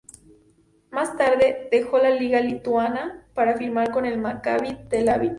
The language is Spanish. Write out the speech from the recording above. Más tarde dejó la liga lituana para firmar por el Maccabi Tel Aviv.